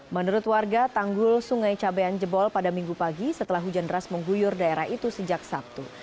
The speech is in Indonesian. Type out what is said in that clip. menurut warga tanggul sungai cabean jebol pada minggu pagi setelah hujan deras mengguyur daerah itu sejak sabtu